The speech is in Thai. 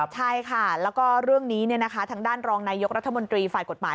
ใช่ค่ะแล้วก็เรื่องนี้ทางด้านรองนายกรัฐมนตรีฝ่ายกฎหมาย